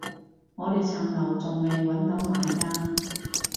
我哋層樓仲未搵到買家